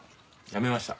辞めました。